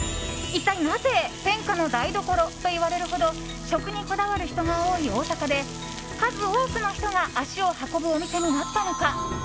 一体なぜ天下の台所といわれるほど食にこだわる人が多い大阪で数多くの人が足を運ぶお店になったのか。